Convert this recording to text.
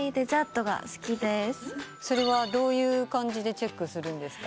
それはどういう感じでチェックするんですか？